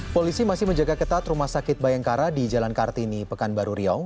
polisi masih menjaga ketat rumah sakit bayangkara di jalan kartini pekanbaru riau